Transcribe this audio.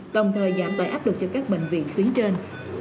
đồng thời giảm tải áp lực cho các bệnh viện tuyến trên